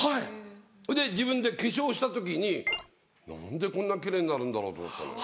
それで自分で化粧した時に何でこんな奇麗になるんだろうと思ったのよ。